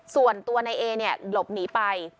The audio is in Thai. ส่วนตัวนายเอเนี่ยหลบหนีไป